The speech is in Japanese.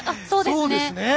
そうですね。